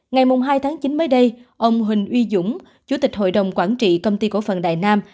ngày hai tháng chín mới đây ông huỳnh uy dũng chủ tịch hội đồng quản trị công ty cổ phần đài nam